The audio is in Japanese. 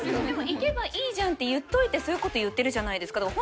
でも行けばいいじゃんって言っといてそういうこと言ってるじゃないですか。